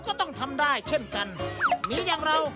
มีมีน้องเคยดูมีหรือเปล่า